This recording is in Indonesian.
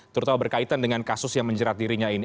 terutama berkaitan dengan kasus yang menjerat dirinya ini